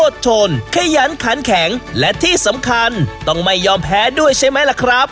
ขยันขันแข็งและที่สำคัญต้องไม่ยอมแพ้ด้วยใช่ไหมล่ะครับ